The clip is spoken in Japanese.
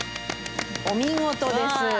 お見事です。